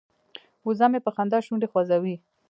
وزه مې په خندا شونډې خوځوي.